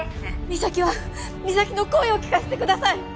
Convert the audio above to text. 実咲は実咲の声を聞かせてください